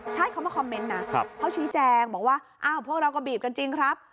ใช่เขามาคอมเมนต์นะเขาชี้แจงบอกว่าอ้าวพวกเราก็บีบกันจริงครับ